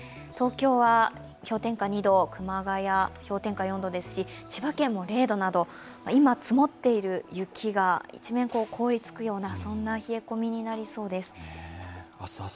東京は氷点下２度、熊谷、氷点下４度ですし、千葉県も０度など、今積もっている雪が、一面凍りつくようなそんな冷え込みになりそうです。